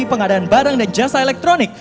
pengadaan barang dan jasa elektronik